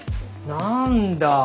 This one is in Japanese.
何だ。